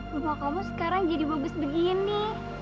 rumah kamu sekarang jadi bagus begini